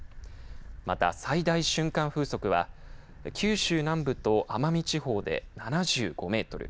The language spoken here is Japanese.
また、最大瞬間風速は九州南部と奄美地方で７５メートル